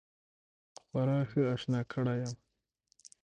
خورا ښه آشنا کړی یم.